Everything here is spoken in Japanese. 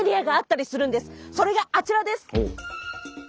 それがあちらです！